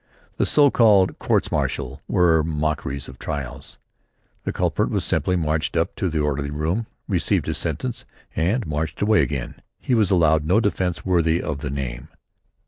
The so called courts martial were mockeries of trials. The culprit was simply marched up to the orderly room, received his sentence and marched away again. He was allowed no defence worthy of the name.